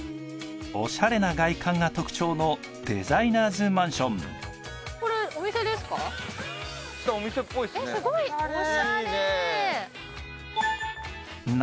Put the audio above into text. オシャレな外観が特徴のデザイナーズマンションえっ